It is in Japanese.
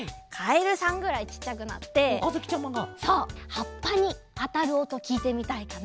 はっぱにあたるおときいてみたいかな。